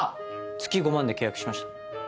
月５万で契約しました。